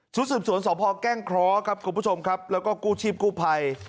สุดสี่ส่วนสอบภาวแก้งคล้อครับคุณผู้ชมครับแล้วก็กู้ชีพกู้ภัย